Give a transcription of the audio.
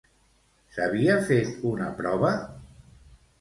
S'havia fet una prova?